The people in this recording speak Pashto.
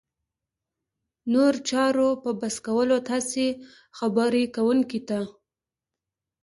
د نورو چارو په بس کولو تاسې خبرې کوونکي ته